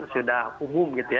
sudah umum gitu ya